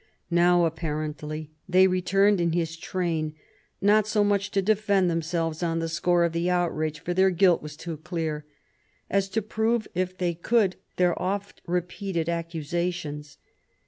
Now apparently they returned in his train, not so much to defend themselves on the score of the outrage (for their guilt was too clear) as to prove, if they could, their often repeated ac cusations.